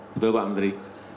betul pak menteri